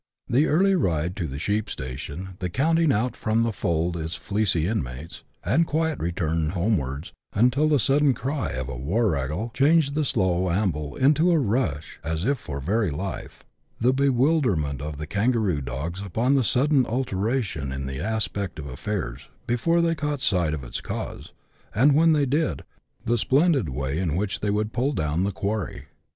The early ride to the sheep station, the counting out from the fold of its fleecy inmates, the quiet re turn homewards, until the sudden cry of a " warragle " changed the slow amble into a rush as if for very life ; the bewilderment of the kangaroo dogs upon the sudden alteration in the aspect of affairs, before they caught sight of its cause, and, when they did, the splendid way in which they would pull down the quarry.